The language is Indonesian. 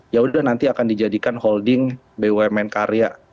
yaudah nanti akan dijadikan holding bumn karya